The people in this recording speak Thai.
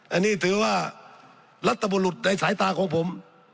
อันนี้ถือว่ารัฐบุรุษในสายตาของผม